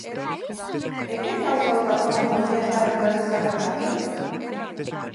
E que causa ou razón podía estar detrás desa correlación?